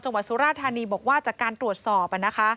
จังหวัดสุราธารณีบอกว่าจากการตรวจสอบ